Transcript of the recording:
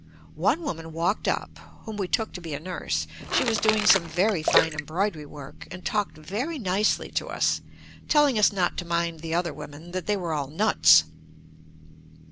One woman walked up, whom we took to be a nurse. She was doing some very fine embroid ery work, and talked very nicely to us telling us not to mind the other women, "that they were all nuts."